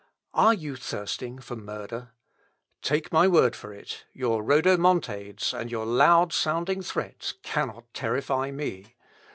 Are you thirsting for murder? Take my word for it, your rhodomontades and your loud sounding threats cannot terrify me.